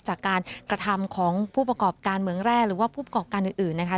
จากการกระทำของผู้ประกอบการเมืองแร่หรือว่าผู้ประกอบการอื่นนะคะ